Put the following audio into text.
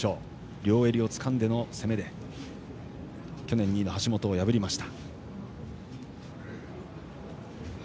両襟をつかんでの攻めで去年２位の橋本を破りました。